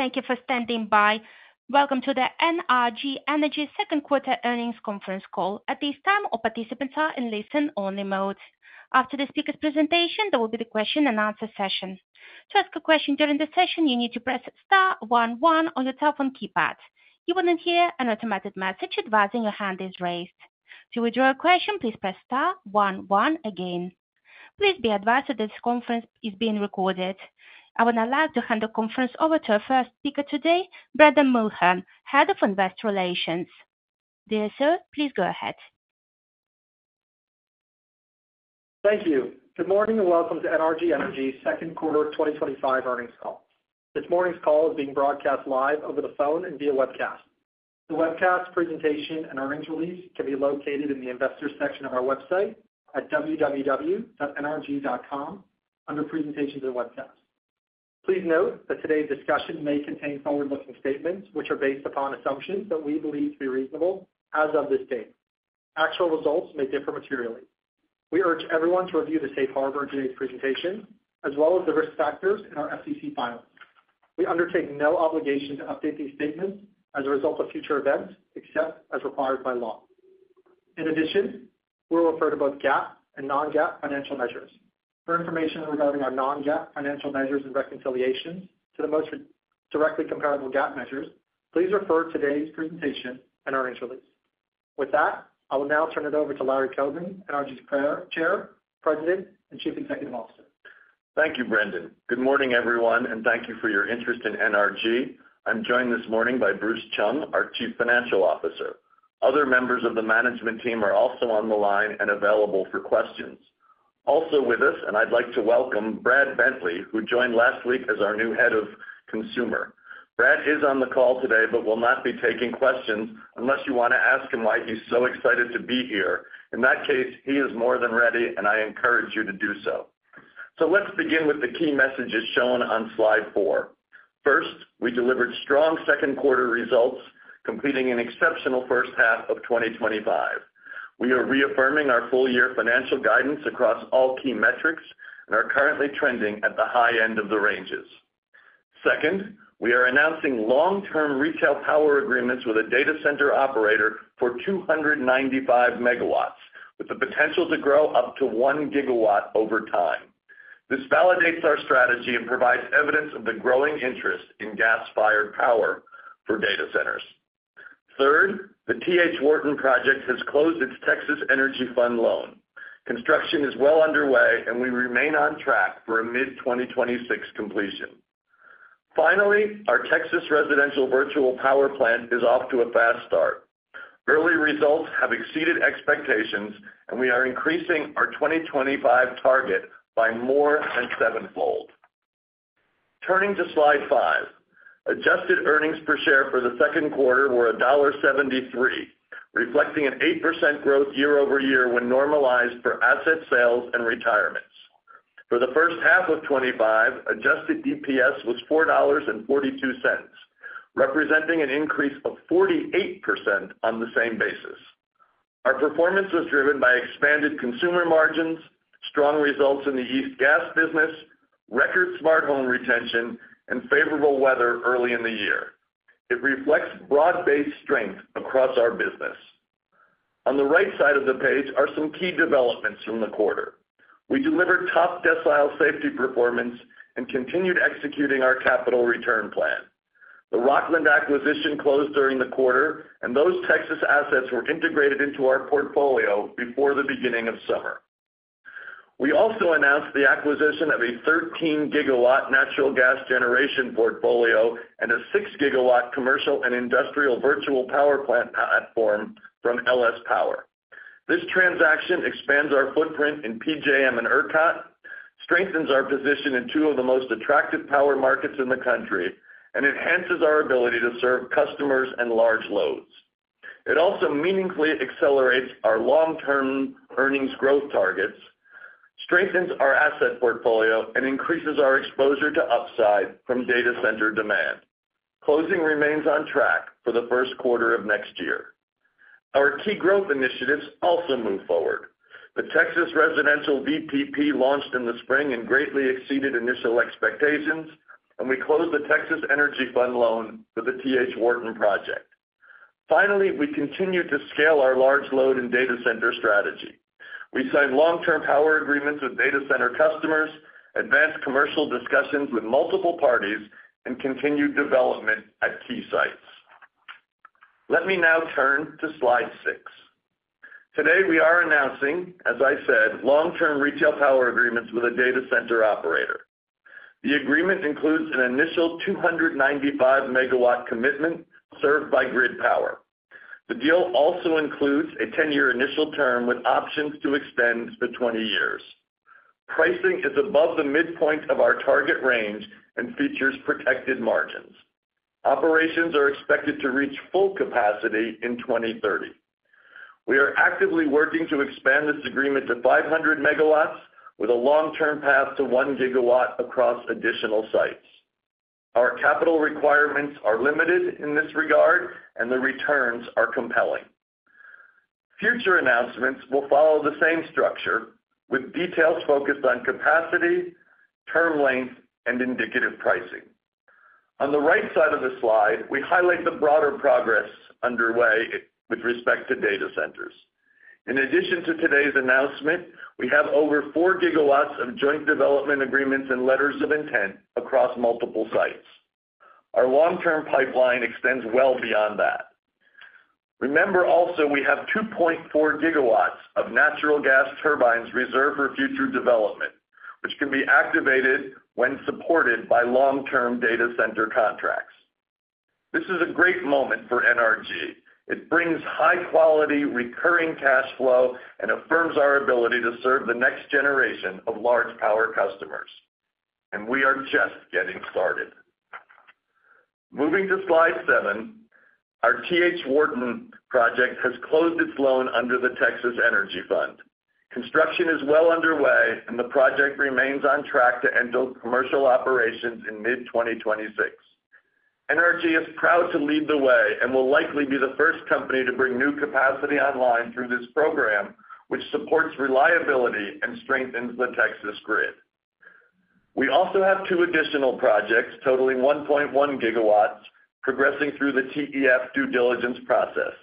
Thank you for standing by. Welcome to the NRG Energy Second Quarter Earnings Conference call. At this time, all participants are in listen-only mode. After the speaker's presentation, there will be the question and answer session. To ask a question during the session, you need to press star one one on your telephone keypad. You will then hear an automated message advising your hand is raised. To withdraw a question, please press star one one again. Please be advised that this conference is being recorded. I would now like to hand the conference over to our first speaker today, Brendan Mulhern, Head of Investor Relations. Dear sir, please go ahead. Thank you. Good morning and welcome to NRG Energy's Second Quarter of 2025 Earnings call. This morning's call is being broadcast live over the phone and via webcast. The webcast presentation and earnings release can be located in the investors section of our website at www.nrg.com under presentations of the webcast. Please note that today's discussion may contain forward-looking statements, which are based upon assumptions that we believe to be reasonable as of this date. Actual results may differ materially. We urge everyone to review the safe harbor during this presentation, as well as the risk factors in our SEC file. We undertake no obligation to update these statements as a result of future events, except as required by law. In addition, we'll refer to both GAAP and non-GAAP financial measures. For information regarding our non-GAAP financial measures and reconciliations to the most directly comparable GAAP measures, please refer to today's presentation and earnings release. With that, I will now turn it over to Larry Coben, NRG's Chair, President, and Chief Executive Officer. Thank you, Brendan. Good morning, everyone, and thank you for your interest in NRG. I'm joined this morning by Bruce Chung, our Chief Financial Officer. Other members of the management team are also on the line and available for questions. Also with us, and I'd like to welcome Brad Bentley, who joined last week as our new Head of Consumer. Brad, he's on the call today but will not be taking questions unless you want to ask him why he's so excited to be here. In that case, he is more than ready, and I encourage you to do so. Let's begin with the key messages shown on slide four. First, we delivered strong second quarter results, completing an exceptional first half of 2025. We are reaffirming our full-year financial guidance across all key metrics and are currently trending at the high end of the ranges. Second, we are announcing long-term retail power agreements with a data center operator for 295 MW, with the potential to grow up to 1 GW over time. This validates our strategy and provides evidence of the growing interest in gas-fired power for data centers. Third, the T.H. Wharton Project has closed its Texas Energy Fund loan. Construction is well underway, and we remain on track for a mid-2026 completion. Finally, our Texas Residential Virtual Power Plant is off to a fast start. Early results have exceeded expectations, and we are increasing our 2025 target by more than sevenfold. Turning to slide five, adjusted earnings per share for the second quarter were $1.73, reflecting an 8% growth year-over-year when normalized for asset sales and retirements. For the first half of 2025, adjusted EPS was $4.42, representing an increase of 48% on the same basis. Our performance was driven by expanded consumer margins, strong results in the gas business, record smart home retention, and favorable weather early in the year. It reflects broad-based strength across our business. On the right side of the page are some key developments from the quarter. We delivered top decile safety performance and continued executing our capital return plan. The Rockland acquisition closed during the quarter, and those Texas assets were integrated into our portfolio before the beginning of summer. We also announced the acquisition of a 13 GW natural gas generation portfolio and a 6 GW Commercial & Industrial Virtual Power Plant platform from LS Power. This transaction expands our footprint in PJM and ERCOT, strengthens our position in two of the most attractive power markets in the country, and enhances our ability to serve customers and large loads. It also meaningfully accelerates our long-term earnings growth targets, strengthens our asset portfolio, and increases our exposure to upside from data center demand. Closing remains on track for the first quarter of next year. Our key growth initiatives also move forward. The Texas Residential Virtual Power Plant launched in the spring and greatly exceeded initial expectations, and we closed the Texas Energy Fund loan with the T.H. Wharton Project. Finally, we continue to scale our large load and data center strategy. We signed long-term power agreements with data center customers, advanced commercial discussions with multiple parties, and continued development at key sites. Let me now turn to slide six. Today, we are announcing, as I said, long-term retail power agreements with a data center operator. The agreement includes an initial 295 MW commitment served by grid power. The deal also includes a 10-year initial term with options to extend for 20 years. Pricing is above the midpoint of our target range and features protected margins. Operations are expected to reach full capacity in 2030. We are actively working to expand this agreement to 500 MW with a long-term path to 1 GW across additional sites. Our capital requirements are limited in this regard, and the returns are compelling. Future announcements will follow the same structure with details focused on capacity, term length, and indicative pricing. On the right side of the slide, we highlight the broader progress underway with respect to data centers. In addition to today's announcement, we have over 4 GW of joint development agreements and letters of intent across multiple sites. Our long-term pipeline extends well beyond that. Remember also, we have 2.4 GW of natural gas turbines reserved for future development, which can be activated when supported by long-term data center contracts. This is a great moment for NRG. It brings high-quality recurring cash flow and affirms our ability to serve the next generation of large power customers. We are just getting started. Moving to slide seven, our T.H. Wharton Project has closed its loan under the Texas Energy Fund. Construction is well underway, and the project remains on track to end commercial operations in mid-2026. NRG is proud to lead the way and will likely be the first company to bring new capacity online through this program, which supports reliability and strengthens the Texas grid. We also have two additional projects totaling 1.1 GW progressing through the TEF due diligence process.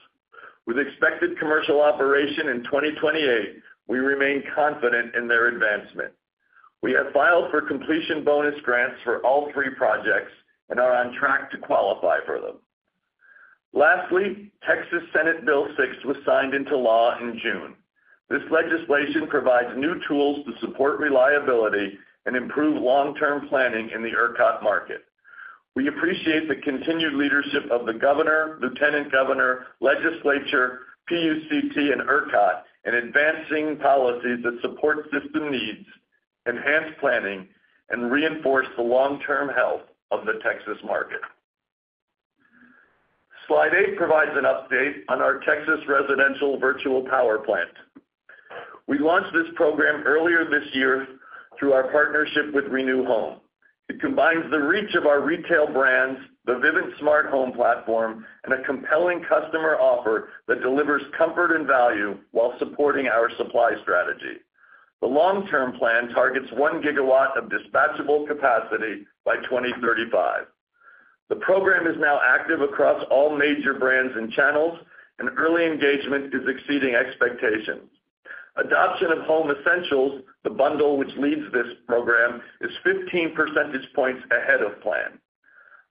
With expected commercial operation in 2028, we remain confident in their advancement. We have filed for completion bonus grants for all three projects and are on track to qualify for them. Lastly, Texas Senate Bill 6 was signed into law in June. This legislation provides new tools to support reliability and improve long-term planning in the ERCOT market. We appreciate the continued leadership of the governor, lieutenant governor, legislature, PUCT, and ERCOT in advancing policies that support system needs, enhance planning, and reinforce the long-term health of the Texas market. Slide eight provides an update on our Texas Residential Virtual Power Plant. We launched this program earlier this year through our partnership with Renew Home. It combines the reach of our retail brands, the Vivint Smart Home platform, and a compelling customer offer that delivers comfort and value while supporting our supply strategy. The long-term plan targets 1 GW of dispatchable capacity by 2035. The program is now active across all major brands and channels, and early engagement is exceeding expectations. Adoption of Home Essentials, the bundle which leads this program, is 15 percentage points ahead of plan.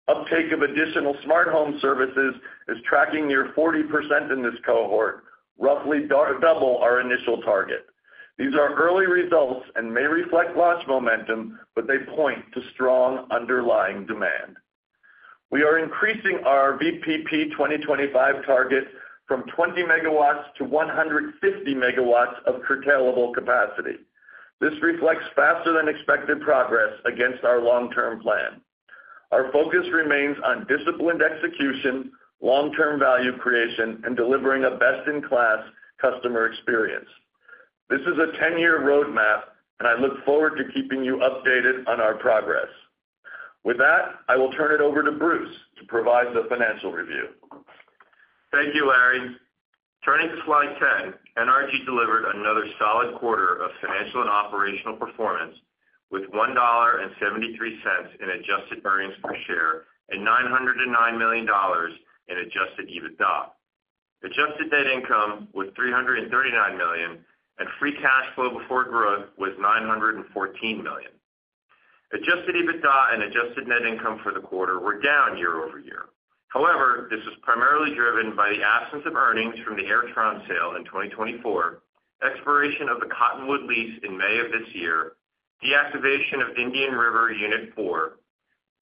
Uptake of additional smart home services is tracking near 40% in this cohort, roughly double our initial target. These are early results and may reflect lost momentum, but they point to strong underlying demand. We are increasing our VPP 2025 target from 20 MW-150 MW of curtailable capacity. This reflects faster-than-expected progress against our long-term plan. Our focus remains on disciplined execution, long-term value creation, and delivering a best-in-class customer experience. This is a 10-year roadmap, and I look forward to keeping you updated on our progress. With that, I will turn it over to Bruce to provide the financial review. Thank you, Larry. Turning to slide 10, NRG delivered another solid quarter of financial and operational performance with $1.73 in adjusted earnings per share and $909 million in adjusted EBITDA. Adjusted net income was $339 million, and free cash flow before growth was $914 million. Adjusted EBITDA and adjusted net income for the quarter were down year-over-year. However, this was primarily driven by the absence of earnings from the Airtron sale in 2024, expiration of the Cottonwood lease in May of this year, deactivation of the Indian River Unit 4,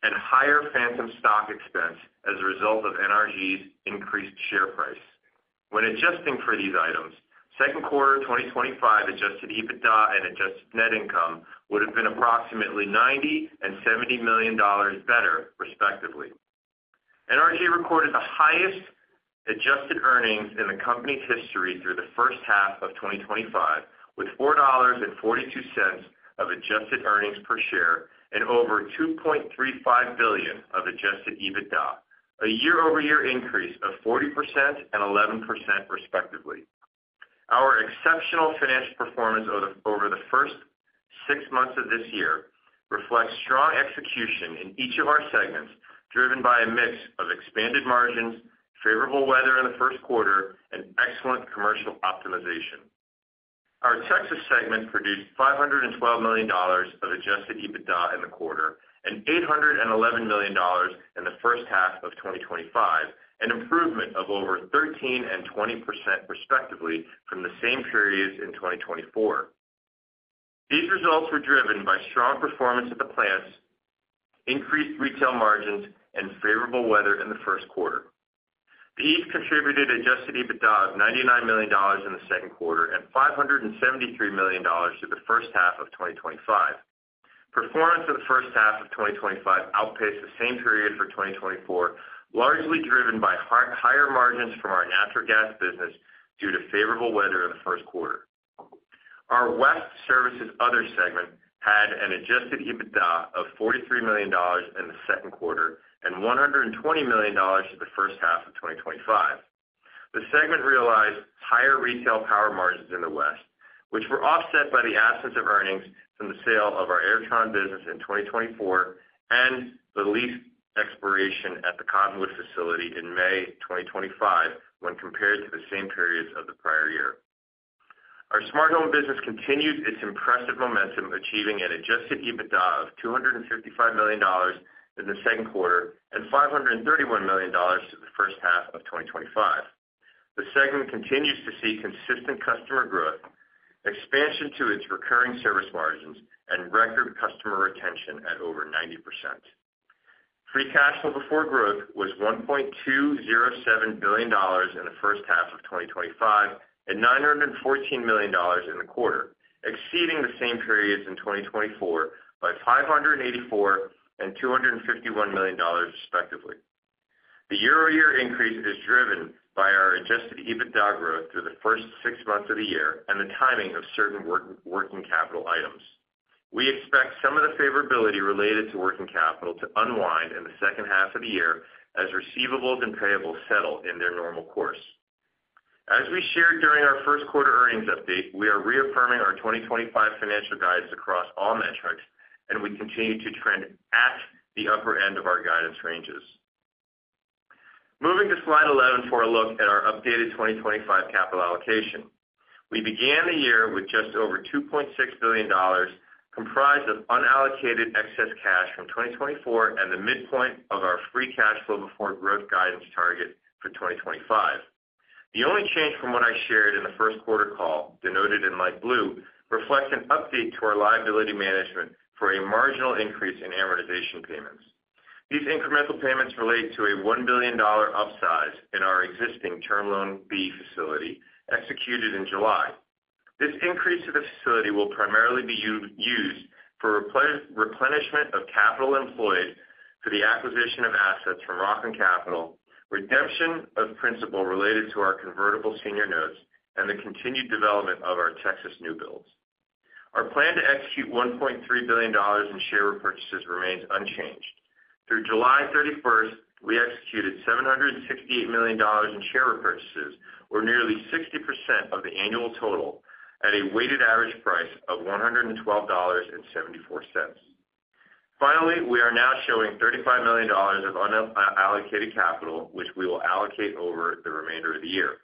and higher phantom stock expense as a result of NRG's increased share price. When adjusting for these items, second quarter of 2025 adjusted EBITDA and adjusted net income would have been approximately $90 million and $70 million better, respectively. NRG recorded the highest adjusted earnings in the company's history through the first half of 2025, with $4.42 of adjusted earnings per share and over $2.35 billion of adjusted EBITDA, a year-over-year increase of 40% and 11%, respectively. Our exceptional finance performance over the first six months of this year reflects strong execution in each of our segments, driven by a mix of expanded margins, favorable weather in the first quarter, and excellent commercial optimization. Our Texas segment produced $512 million of adjusted EBITDA in the quarter and $811 million in the first half of 2025, an improvement of over 13% and 20%, respectively, from the same periods in 2024. These results were driven by strong performance at the plants, increased retail margins, and favorable weather in the first quarter. The East contributed to adjusted EBITDA of $99 million in the second quarter and $573 million through the first half of 2025. Performance in the first half of 2025 outpaced the same period for 2024, largely driven by higher margins from our natural gas business due to favorable weather in the first quarter. Our West/Services/Other segment had an adjusted EBITDA of $43 million in the second quarter and $120 million for the first half of 2025. The segment realized higher retail power margins in the West, which were offset by the absence of earnings from the sale of our Airtron business in 2024 and the lease expiration at the Cottonwood facility in May 2025 when compared to the same periods of the prior year. Our Smart Home business continued its impressive momentum, achieving an adjusted EBITDA of $255 million in the second quarter and $531 million for the first half of 2025. The segment continues to see consistent customer growth, expansion to its recurring service margins, and record customer retention at over 90%. Free cash flow before growth was $1.207 billion in the first half of 2025 and $914 million in the quarter, exceeding the same periods in 2024 by $584 million and $251 million, respectively. The year-over-year increase is driven by our adjusted EBITDA growth through the first six months of the year and the timing of certain working capital items. We expect some of the favorability related to working capital to unwind in the second half of the year as receivables and payables settle in their normal course. As we shared during our first quarter earnings update, we are reaffirming our 2025 financial guidance across all metrics and would continue to trend at the upper end of our guidance ranges. Moving to slide 11 for a look at our updated 2025 capital allocation. We began the year with just over $2.6 billion comprised of unallocated excess cash from 2024 and the midpoint of our free cash flow before growth guidance target for 2025. The only change from what I shared in the first quarter call, denoted in light blue, reflects an update to our liability management for a marginal increase in amortization payments. These incremental payments relate to a $1 billion upsize in our existing Term Loan B facility executed in July. This increase to the facility will primarily be used for replenishment of capital employed for the acquisition of assets from Rockland Capital, redemption of principal related to our convertible senior notes, and the continued development of our Texas new builds. Our plan to execute $1.3 billion in share repurchases remains unchanged. Through July 31st, we executed $768 million in share repurchases, or nearly 60% of the annual total, at a weighted average price of $112.74. Finally, we are now showing $35 million of unallocated capital, which we will allocate over the remainder of the year.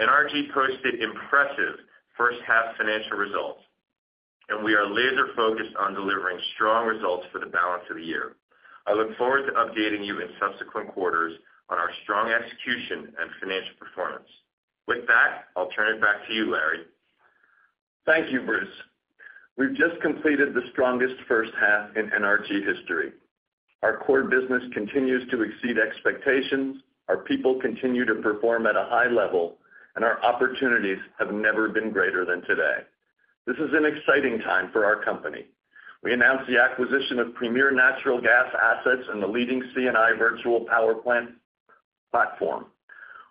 NRG posted impressive first-half financial results, and we are laser-focused on delivering strong results for the balance of the year. I look forward to updating you in subsequent quarters on our strong execution and financial performance. With that, I'll turn it back to you, Larry. Thank you, Bruce. We've just completed the strongest first half in NRG history. Our core business continues to exceed expectations, our people continue to perform at a high level, and our opportunities have never been greater than today. This is an exciting time for our company. We announced the acquisition of premier natural gas assets and the leading C&I Virtual Power Plant platform.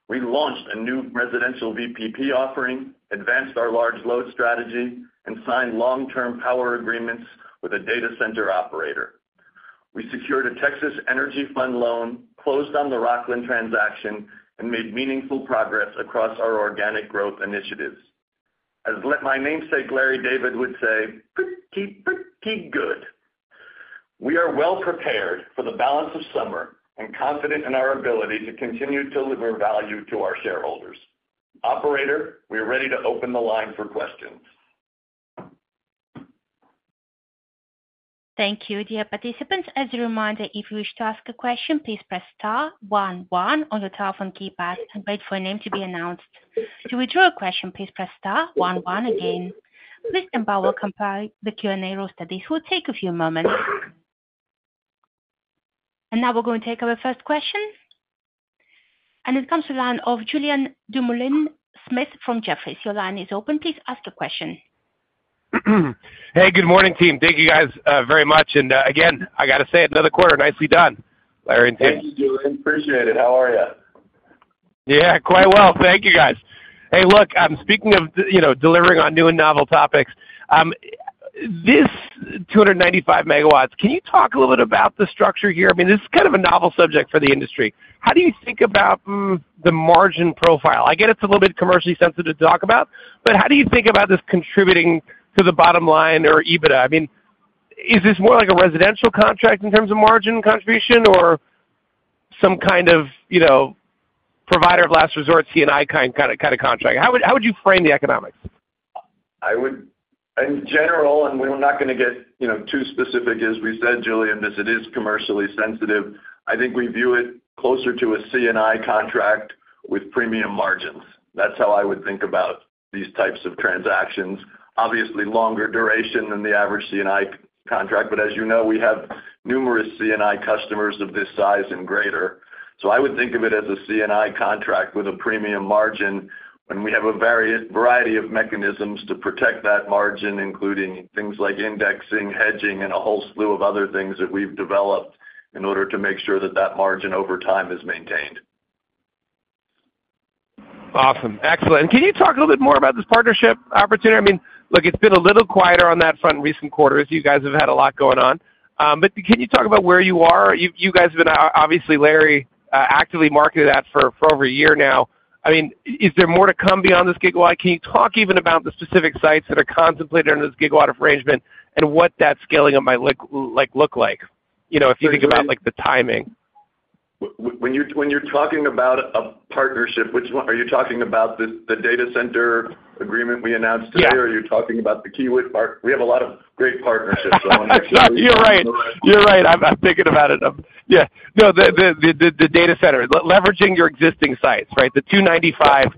We launched a new residential virtual power plant offering, advanced our large load strategy, and signed long-term power agreements with a data center operator. We secured a Texas Energy Fund loan, closed on the Rockland transaction, and made meaningful progress across our organic growth initiatives. As my namesake Larry David would say, pretty good. We are well prepared for the balance of summer and confident in our ability to continue to deliver value to our shareholders. Operator, we are ready to open the line for questions. Thank you. Dear participants, as a reminder, if you wish to ask a question, please press star one one on your telephone keypad and wait for a name to be announced. To withdraw a question, please press star one one again. Please comply with the Q&A rows. This will take a few moments. Now we're going to take our first question. It comes to the line of Julien Dumoulin-Smith from Jefferies. Your line is open. Please ask a question. Hey, good morning, team. Thank you guys very much. I got to say, another quarter. Nicely done, Larry and team. Thank you, Julien. Appreciate it. How are you? Yeah, quite well. Thank you, guys. Hey, look, I'm speaking of, you know, delivering on new and novel topics. This 295 MW, can you talk a little bit about the structure here? I mean, this is kind of a novel subject for the industry. How do you think about the margin profile? I get it's a little bit commercially sensitive to talk about, but how do you think about this contributing to the bottom line or EBITDA? I mean, is this more like a residential contract in terms of margin contribution or some kind of, you know, provider of last resort C&I kind of contract? How would you frame the economics? I would, in general, and we're not going to get, you know, too specific, as we said, Julien, because it is commercially sensitive. I think we view it closer to a C&I contract with premium margins. That's how I would think about these types of transactions. Obviously, longer duration than the average C&I contract, but as you know, we have numerous C&I customers of this size and greater. I would think of it as a C&I contract with a premium margin, and we have a variety of mechanisms to protect that margin, including things like indexing, hedging, and a whole slew of other things that we've developed in order to make sure that that margin over time is maintained. Awesome. Excellent. Can you talk a little bit more about this partnership opportunity? It's been a little quieter on that front in recent quarters. You guys have had a lot going on. Can you talk about where you are? You guys have been, obviously, Larry, actively marketed that for over a year now. Is there more to come beyond this gigawatt? Can you talk even about the specific sites that are contemplated under this gigawatt arrangement and what that scaling up might look like? If you think about the timing. When you're talking about a partnership, which one are you talking about? The data center agreement we announced today? Are you talking about the Kiewit part? We have a lot of great partnerships. You're right. I'm thinking about it. The data center, leveraging your existing sites, right? The 295 MW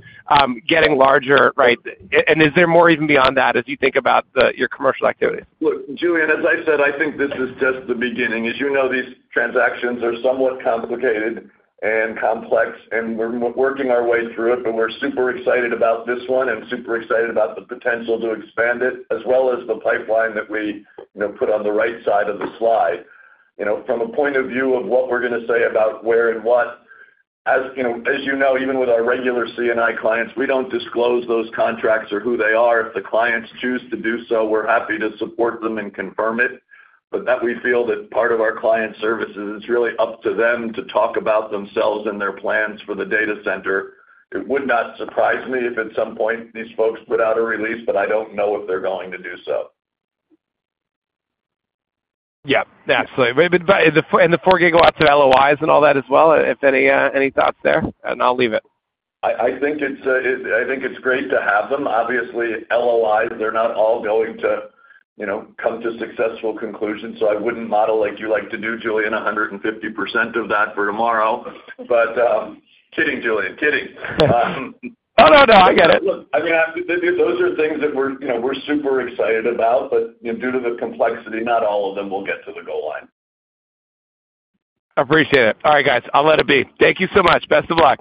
getting larger, right? Is there more even beyond that as you think about your commercial activity? Julien, as I said, I think this is just the beginning. As you know, these transactions are somewhat complicated and complex, and we're working our way through it. We're super excited about this one and super excited about the potential to expand it, as well as the pipeline that we put on the right side of the slide. From a point of view of what we're going to say about where and what, as you know, even with our regular C&I clients, we don't disclose those contracts or who they are. If the clients choose to do so, we're happy to support them and confirm it. We feel that part of our client services is really up to them to talk about themselves and their plans for the data center. It would not surprise me if at some point these folks put out a release, but I don't know if they're going to do so. Absolutely. The 4 GW of LOIs and all that as well, if any thoughts there? I'll leave it. I think it's great to have them. Obviously, LOIs, they're not all going to, you know, come to successful conclusions. I wouldn't model like you like to do, Julien, 150% of that for tomorrow. Kidding, Julien, kidding. I get it. Those are things that we're super excited about, but due to the complexity, not all of them will get to the goal line. Appreciate it. All right, guys. I'll let it be. Thank you so much. Best of luck.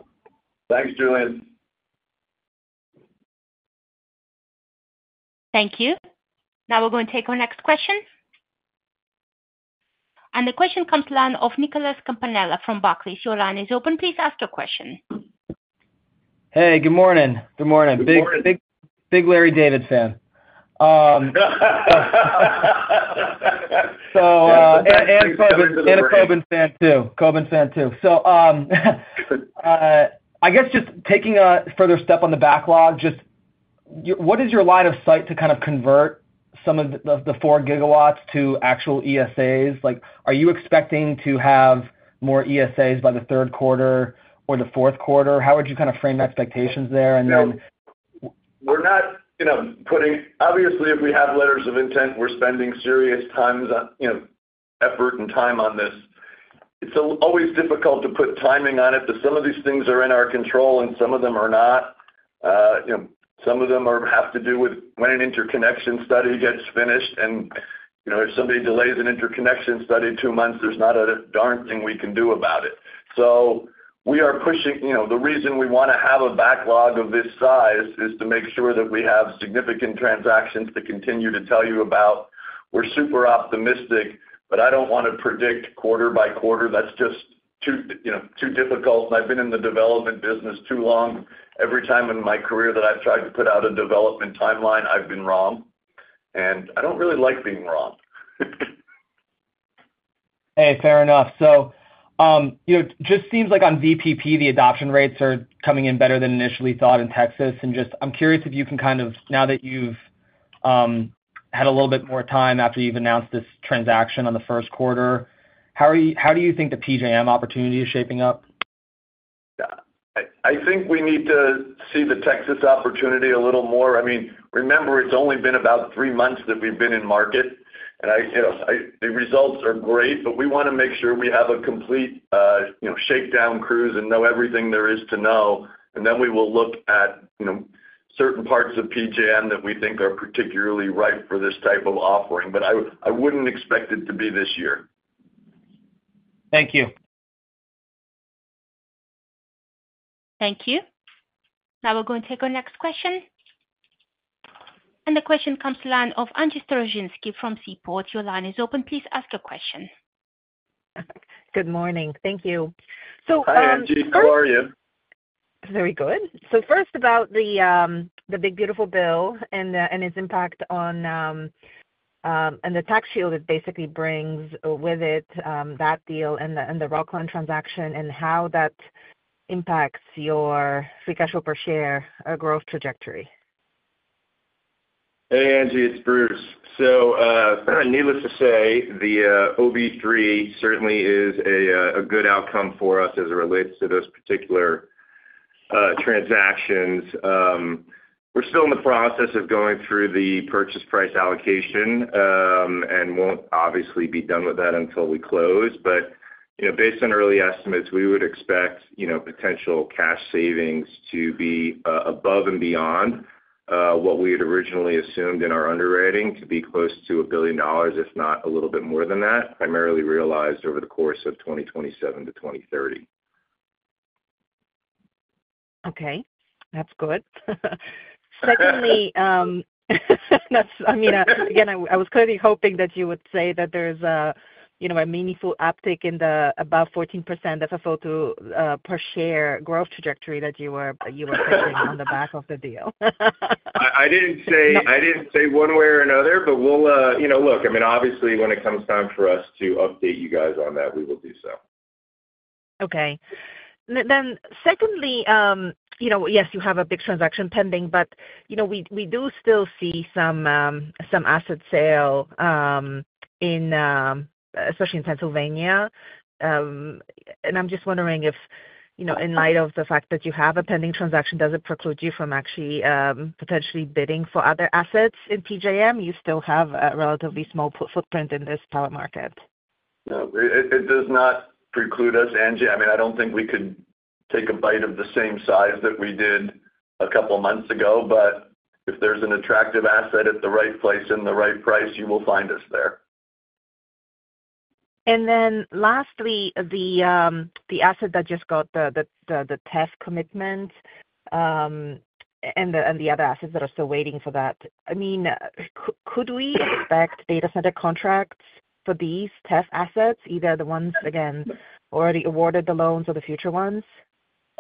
Thanks, Julien. Thank you. Now we're going to take our next question. The question comes to the line of Nicholas Campanella from Barclays. Your line is open. Please ask your question. Hey, good morning. Big, big, big Larry David fan, and a Coben fan too. I guess just taking a further step on the backlog, what is your line of sight to kind of convert some of the 4 GW to actual ESAs? Are you expecting to have more ESAs by the third quarter or the fourth quarter? How would you kind of frame the expectations there? We're not, you know, putting, obviously, if we have letters of intent, we're spending serious time, effort and time on this. It's always difficult to put timing on it, but some of these things are in our control and some of them are not. Some of them have to do with when an interconnection study gets finished. If somebody delays an interconnection study two months, there's not a darn thing we can do about it. We are pushing. The reason we want to have a backlog of this size is to make sure that we have significant transactions to continue to tell you about. We're super optimistic, but I don't want to predict quarter by quarter. That's just too, you know, too difficult. I've been in the development business too long. Every time in my career that I've tried to put out a development timeline, I've been wrong. I don't really like being wrong. Fair enough. It just seems like on VPP, the adoption rates are coming in better than initially thought in Texas. I'm curious if you can kind of, now that you've had a little bit more time after you've announced this transaction in the first quarter, how do you think the PJM opportunity is shaping up? I think we need to see the Texas opportunity a little more. Remember, it's only been about three months that we've been in market. The results are great, but we want to make sure we have a complete shakedown cruise and know everything there is to know. Then we will look at certain parts of PJM that we think are particularly ripe for this type of offering. I wouldn't expect it to be this year. Thank you. Thank you. Now we're going to take our next question. The question comes to the line of Angie Storozynski from Seaport. Your line is open. Please ask your question. Good morning. Thank you. Hi, Angie. How are you? Very good. First, about the Big Beautiful Bill and its impact on the tax shield, it basically brings with it that deal and the Rockland transaction and how that impacts your free cash flow per share growth trajectory. Hey, Angie. It's Bruce. Needless to say, the OB3 certainly is a good outcome for us as it relates to those particular transactions. We're still in the process of going through the purchase price allocation and won't obviously be done with that until we close. Based on early estimates, we would expect potential cash savings to be above and beyond what we had originally assumed in our underwriting to be close to $1 billion, if not a little bit more than that, primarily realized over the course of 2027 to 2030. Okay. That's good. Secondly, I was clearly hoping that you would say that there is a meaningful uptick in the above 14% FFO per share growth trajectory that you were facing on the back of the deal. I didn't say one way or another, but, you know, obviously, when it comes time for us to update you guys on that, we will do so. Okay. Secondly, yes, you have a big transaction pending, but we do still see some asset sale, especially in Pennsylvania. I'm just wondering if, in light of the fact that you have a pending transaction, does it preclude you from actually potentially bidding for other assets in PJM? You still have a relatively small footprint in this power market. No, it does not preclude us, Angie. I mean, I don't think we can take a bite of the same size that we did a couple of months ago, but if there's an attractive asset at the right place and the right price, you will find us there. Lastly, the asset that just got the TEF commitment and the other assets that are still waiting for that, could we expect data center contracts for these TEF assets, either the ones already awarded the loans or the future ones?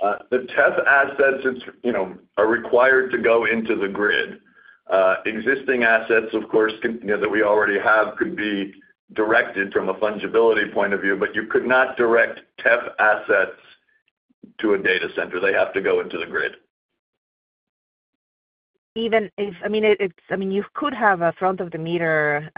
The TEF assets are required to go into the grid. Existing assets, of course, that we already have could be directed from a fungibility point of view, but you could not direct TEF assets to a data center. They have to go into the grid. Even if, I mean, you could have a front-of-the-meter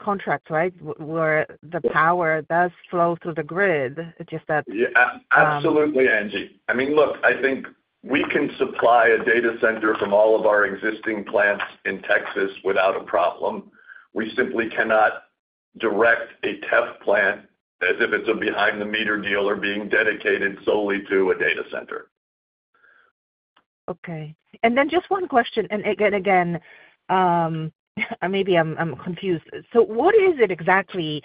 contract, right, where the power does flow through the grid. It's just that. Yeah, absolutely, Angie. I mean, look, I think we can supply a data center from all of our existing plants in Texas without a problem. We simply cannot direct a TEF plant as if it's a behind-the-meter deal or being dedicated solely to a data center. Okay. Just one question. Maybe I'm confused. What is it exactly?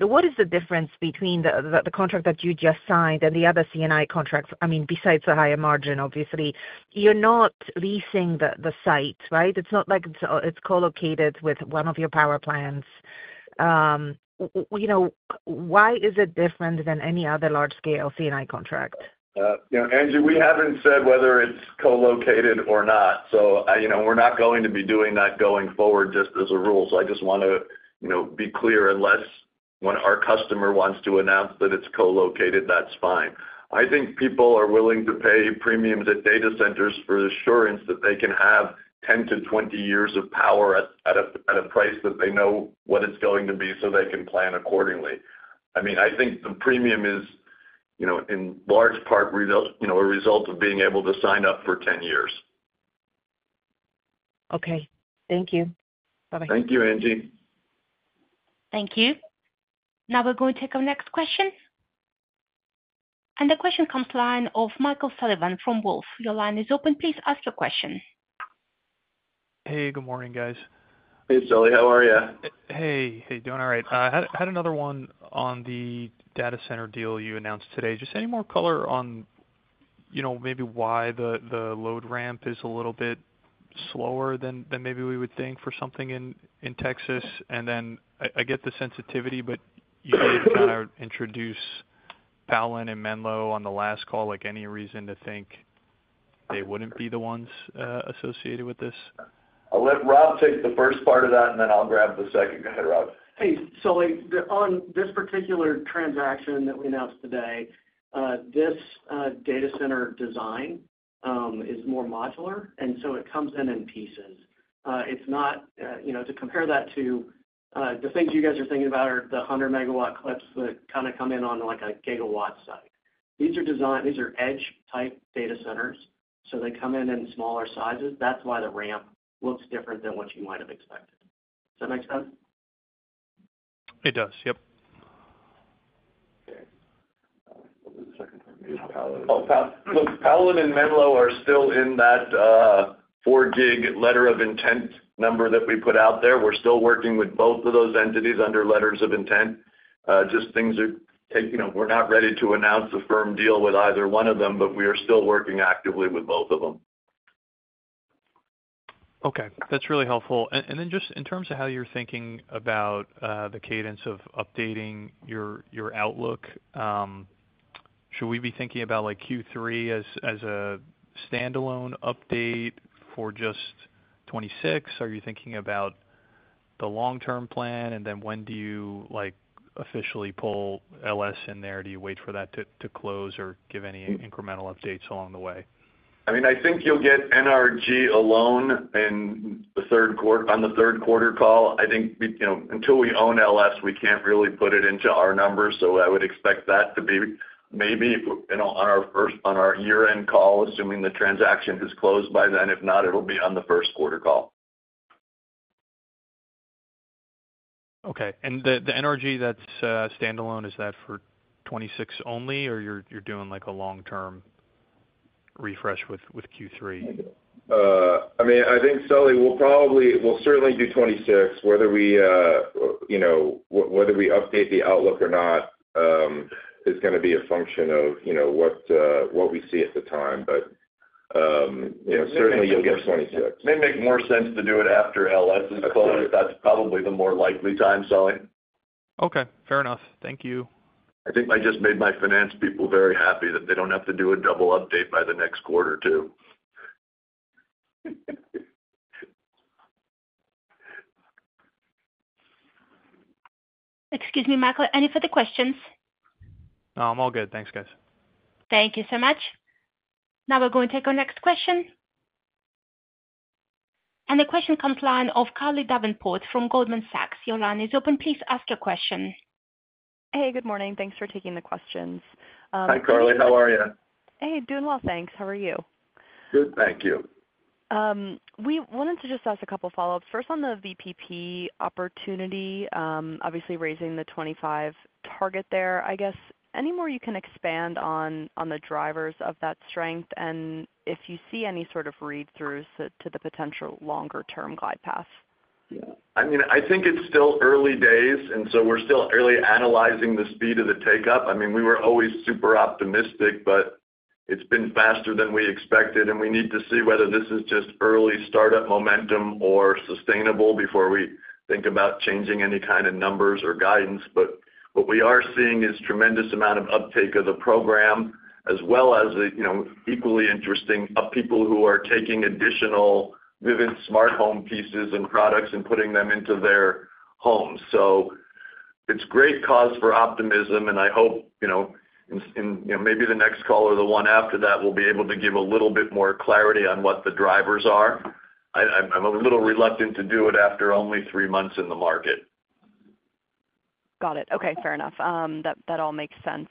What is the difference between the contract that you just signed and the other C&I contracts? Besides the higher margin, obviously, you're not leasing the sites, right? It's not like it's co-located with one of your power plants. Why is it different than any other large-scale C&I contract? Yeah, Angie, we haven't said whether it's co-located or not. We're not going to be doing that going forward just as a rule. I just want to be clear unless our customer wants to announce that it's co-located, that's fine. I think people are willing to pay premiums at data centers for assurance that they can have 10-20 years of power at a price that they know what it's going to be so they can plan accordingly. I think the premium is in large part a result of being able to sign up for 10 years. Okay. Thank you. Bye-bye. Thank you, Angie. Thank you. Now we're going to take our next question. The question comes to the line of Michael Sullivan from Wolfe. Your line is open. Please ask your question. Hey, good morning, guys. Hey, Sully. How are you? Hey, hey, doing all right. I had another one on the data center deal you announced today. Just any more color on, you know, maybe why the load ramp is a little bit slower than maybe we would think for something in Texas. I get the sensitivity, but you kind of introduce PowLan and Menlo on the last call, like any reason to think they wouldn't be the ones associated with this? I'll let Rob take the first part of that, and then I'll grab the second. Go ahead, Rob. On this particular transaction that we announced today, this data center design is more modular, and it comes in in pieces. It's not, you know, to compare that to the things you guys are thinking about, the 100 MW clips that kind of come in on like a gigawatt site. These are designed, these are edge-type data centers, so they come in in smaller sizes. That's why the ramp looks different than what you might have expected. It does, yep. PowLan and Menlo are still in that 4 GW letter of intent number that we put out there. We're still working with both of those entities under letters of intent. We're not ready to announce a firm deal with either one of them, but we are still working actively with both of them. Okay. That's really helpful. In terms of how you're thinking about the cadence of updating your outlook, should we be thinking about Q3 as a standalone update for just 2026? Are you thinking about the long-term plan? When do you officially pull LS in there? Do you wait for that to close or give any incremental updates along the way? I think you'll get NRG alone in the third quarter, on the third quarter call. Until we own LS, we can't really put it into our numbers. I would expect that to be maybe in our first, on our year-end call, assuming the transaction is closed by then. If not, it'll be on the first quarter call. Okay. The NRG that's standalone, is that for 2026 only, or you're doing like a long-term refresh with Q3? I think, Sully, we'll probably, we'll certainly do 2026. Whether we update the outlook or not is going to be a function of what we see at the time. Certainly, you'll get 2026. It makes more sense to do it after LS is closed. That's probably the more likely time, Sully. Okay. Fair enough. Thank you. I think I just made my finance people very happy that they don't have to do a double update by the next quarter, too. Excuse me, Michael. Any further questions? No, I'm all good. Thanks, guys. Thank you so much. Now we're going to take our next question. The question comes to the line of Carly Davenport from Goldman Sachs. Your line is open. Please ask your question. Hey, good morning. Thanks for taking the questions. Hi, Carly. How are you? Hey, doing well, thanks. How are you? Good, thank you. We wanted to just ask a couple of follow-ups. First on the VPP opportunity, obviously, raising the 2025 target there. I guess, any more you can expand on the drivers of that strength and if you see any sort of read-throughs to the potential longer-term glide path? I think it's still early days, and we're still really analyzing the speed of the takeup. We were always super optimistic, but it's been faster than we expected. We need to see whether this is just early startup momentum or sustainable before we think about changing any kind of numbers or guidance. What we are seeing is a tremendous amount of uptake of the program, as well as the equally interesting people who are taking additional Vivint Smart Home pieces and products and putting them into their homes. It's great cause for optimism, and I hope, in maybe the next call or the one after that, we'll be able to give a little bit more clarity on what the drivers are. I'm a little reluctant to do it after only three months in the market. Got it. Okay. Fair enough. That all makes sense.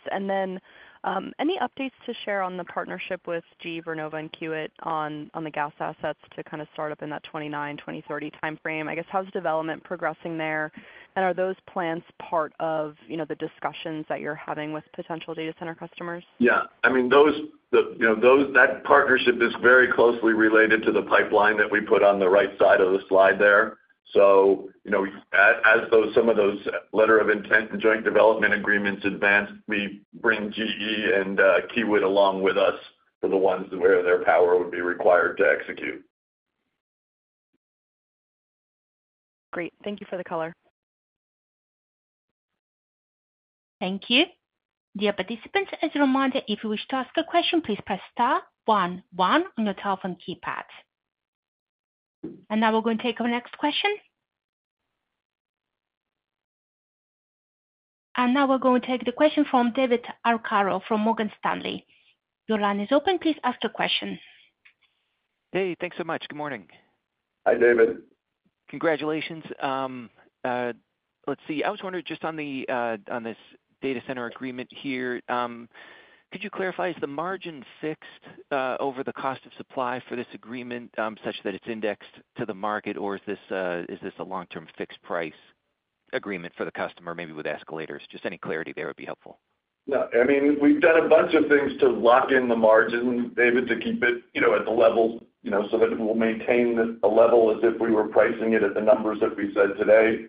Any updates to share on the partnership with GE Vernova and Kiewit on the gas assets to kind of start up in that 2029 to 2030 timeframe? I guess, how's development progressing there? Are those plans part of the discussions that you're having with potential data center customers? Yeah. I mean, that partnership is very closely related to the pipeline that we put on the right side of the slide there. As some of those letters of intent, the joint development agreements advance, we bring GE Vernova and Kiewit along with us for the ones where their power would be required to execute. Great. Thank you for the color. Thank you. Dear participants, as a reminder, if you wish to ask a question, please press star one one on your telephone keypad. We are going to take our next question. We are going to take the question from David Arcaro from Morgan Stanley. Your line is open. Please ask your question. Hey, thanks so much. Good morning. Hi, David. Congratulations. Let's see. I was wondering just on this data center agreement here, could you clarify, is the margin fixed over the cost of supply for this agreement such that it's indexed to the market, or is this a long-term fixed price agreement for the customer, maybe with escalators? Just any clarity there would be helpful. Yeah. I mean, we've done a bunch of things to lock in the margin, David, to keep it at the level so that it will maintain a level as if we were pricing it at the numbers that we said today.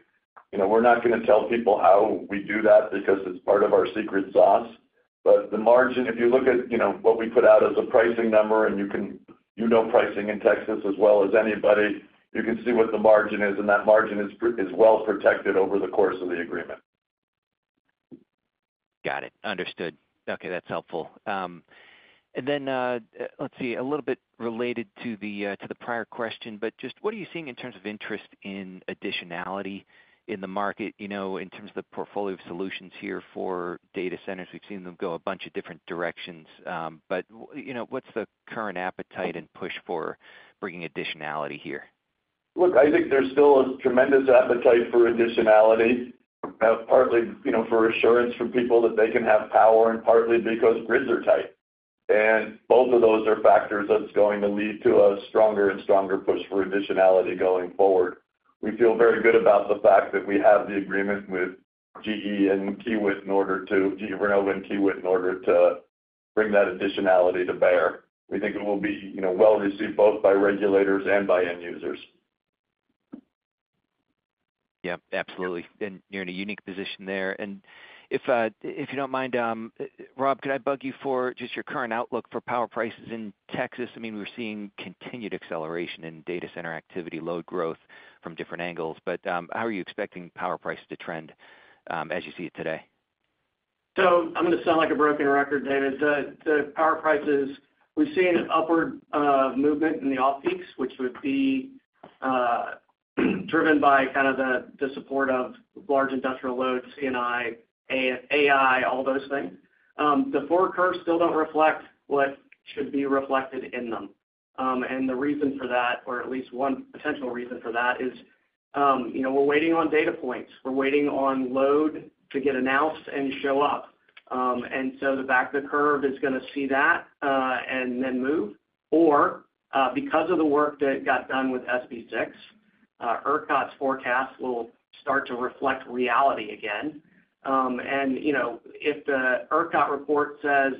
We're not going to tell people how we do that because it's part of our secret sauce. If you look at what we put out as a pricing number, and you can, pricing in Texas as well as anybody, you can see what the margin is, and that margin is well protected over the course of the agreement. Got it. Understood. Okay, that's helpful. A little bit related to the prior question, just what are you seeing in terms of interest in additionality in the market, in terms of the portfolio of solutions here for data centers? We've seen them go a bunch of different directions. What's the current appetite and push for bringing additionality here? Look, I think there's still a tremendous appetite for additionality, partly for assurance from people that they can have power and partly because grids are tight. Both of those are factors that are going to lead to a stronger and stronger push for additionality going forward. We feel very good about the fact that we have the agreement with GE Vernova and Kiewit in order to bring that additionality to bear. We think it will be well received both by regulators and by end users. Yeah, absolutely. You're in a unique position there. If you don't mind, Rob, could I bug you for just your current outlook for power prices in Texas? I mean, we're seeing continued acceleration in data center activity, load growth from different angles. How are you expecting power prices to trend as you see it today? I'm going to sound like a broken record, David. The power prices, we've seen an upward movement in the off-peaks, which would be driven by kind of the support of large industrial loads, C&I, AI, all those things. The forecasts still don't reflect what should be reflected in them. The reason for that, or at least one potential reason for that, is we're waiting on data points. We're waiting on load to get announced and show up. The back of the curve is going to see that and then move. Because of the work that got done with SB6, ERCOT's forecast will start to reflect reality again. If the ERCOT report says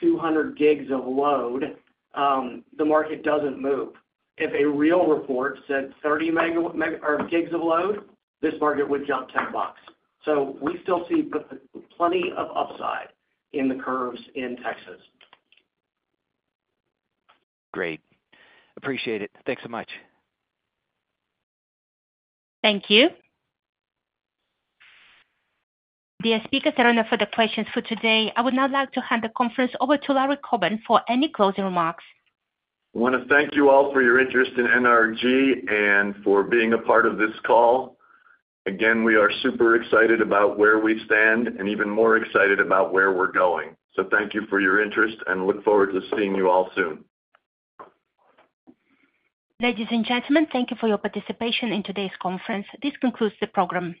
200 GW of load, the market doesn't move. If a real report said 30 GW of load, this market would jump $10. We still see plenty of upside in the curves in Texas. Great. Appreciate it. Thanks so much. Thank you. The speakers are on the further questions for today. I would now like to hand the conference over to Larry Coben for any closing remarks. I want to thank you all for your interest in NRG and for being a part of this call. We are super excited about where we stand and even more excited about where we're going. Thank you for your interest and look forward to seeing you all soon. Ladies and gentlemen, thank you for your participation in today's conference. This concludes the program.